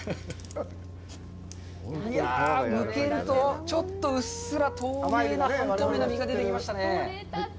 むけるとちょっとうっすら透明な、半透明な身が出てきましたね。